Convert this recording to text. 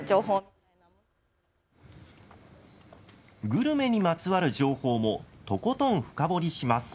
グルメにまつわる情報もとことん深掘りします。